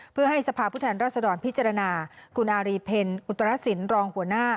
เพื่อให้สภาพผู้แทนรัศดรพิจารณาคุณอารีเพลอุตรสินรองหัวหน้า